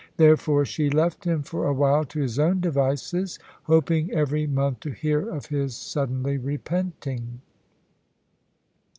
Therefore she left him for a while to his own devices, hoping every month to hear of his suddenly repenting.